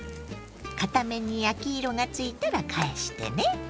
片面に焼き色がついたら返してね。